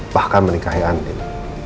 bahkan menikahi andin